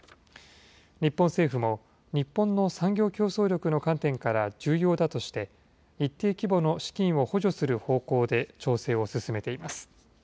日本政府も、日本の産業競争力の観点から重要だとして、一定規模の資金を補助する方向で調整を進めています。